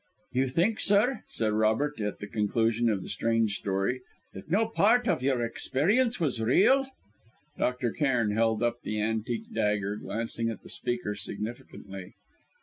"You think, sir," said Robert, at the conclusion of the strange story, "that no part of your experience was real?" Dr. Cairn held up the antique dagger, glancing at the speaker significantly.